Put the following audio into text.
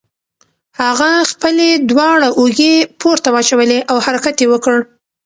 هغه خپلې دواړه اوږې پورته واچولې او حرکت یې وکړ.